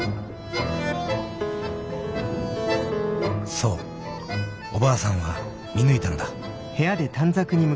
そうおばあさんは見抜いたのだ。